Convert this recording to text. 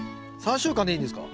３週間でいいんですか？